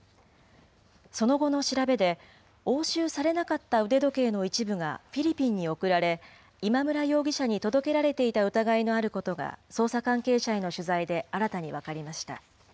その後の調べで、押収されなかった腕時計の一部がフィリピンに送られ、今村容疑者に届けられていた疑いのあることが捜査関係者への取材で新たに分かりました。